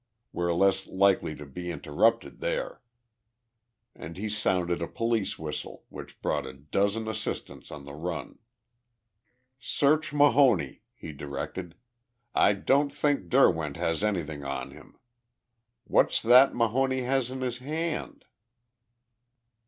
We're less likely to be interrupted there," and he sounded a police whistle, which brought a dozen assistants on the run. "Search Mahoney," he directed. "I don't think Derwent has anything on him. What's that Mahoney has in his hand?"